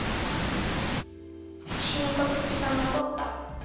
ほしのかたちがのこった！